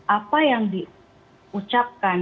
apa yang diucapkan